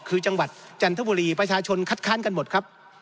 คือจังหวัดจันทบุรีประชาชนคัดค้านกันหมดครับ